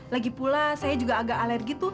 lagipula saya juga agak alergi tuh